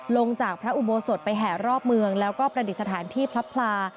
ลงจากพระอุโบสถไปแห่รอบเมืองแล้วก็ประดิษฐานที่พระพลา